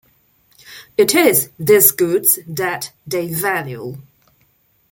It is these goods that they value.